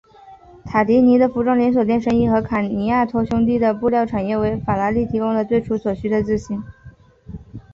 塔迪尼的服装连锁店生意和卡尼亚托兄弟的布料产业为法拉利提供了最初所需的资金。